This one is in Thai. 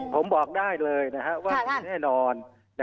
ผมบอกได้เลยนะครับว่ามีแน่นอน